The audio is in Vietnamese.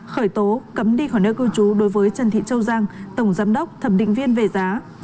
khởi tố cấm đi khỏi nơi cư trú đối với trần thị châu giang tổng giám đốc thẩm định viên về giá